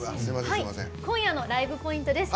今夜のライブポイントです。